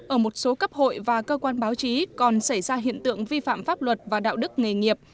ở một số cấp hội và cơ quan báo chí còn xảy ra hiện tượng vi phạm pháp luật và đạo đức nghề nghiệp